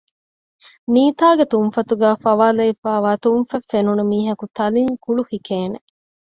ނީތާގެ ތުންފަތުގައި ފަވާލެވިފައިވާ ތުންފަތް ފެނުނު މީހަކު ތަލިން ކުޅުހިކޭނެ